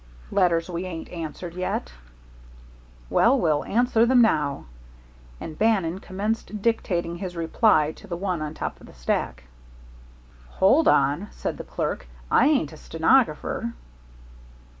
"Letters we ain't answered yet." "Well, we'll answer them now," and Bannon commenced dictating his reply to the one on top of the stack. "Hold on," said the clerk, "I ain't a stenographer."